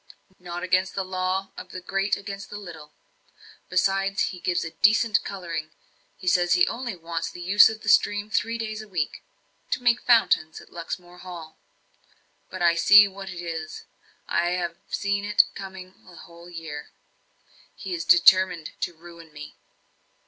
"Not against the law of the great against the little. Besides, he gives a decent colouring says he only wants the use of the stream three days a week, to make fountains at Luxmore Hall. But I see what it is I have seen it coming a whole year. He is determined to ruin me!"